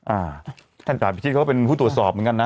อ่าแทนกาลพิชิตเค้าเป็นผู้ตรวจสอบเหมือนกันนะ